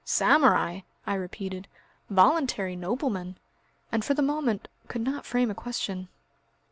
"Samurai!" I repeated, "voluntary noblemen!" and for the moment could not frame a question.